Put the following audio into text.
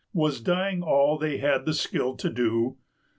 Was dying all they had the skill to do?